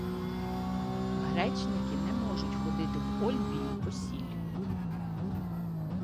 — Гречники не можуть ходити в Ольбію по сіль.